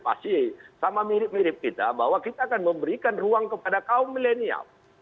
pasti sama mirip mirip kita bahwa kita akan memberikan ruang kepada kaum milenial